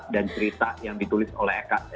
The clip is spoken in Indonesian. dan cerita yang ditulis oleh eka